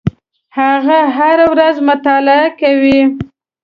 هغه هره ورځ مطالعه کوي.